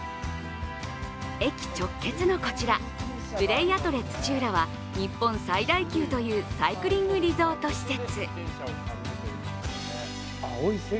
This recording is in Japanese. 駅直結のこちら、プレイアトレ土浦は日本最大級というサイクリングリゾート施設。